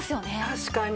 確かに。